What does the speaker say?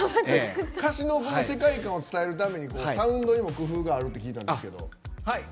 歌詞の世界観を伝えるためにサウンドにも工夫があるって聞いたんですけど。